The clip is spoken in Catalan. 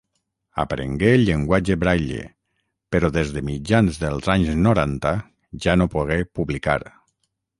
Aprengué el llenguatge Braille però des de mitjans dels anys noranta ja no pogué publicar.